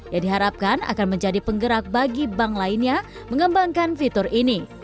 yang diharapkan akan menjadi penggerak bagi bank lainnya mengembangkan fitur ini